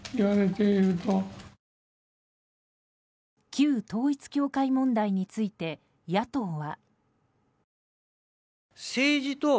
旧統一教会問題について野党は。